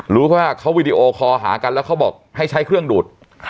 รู้แค่ว่าเขาวีดีโอคอลหากันแล้วเขาบอกให้ใช้เครื่องดูด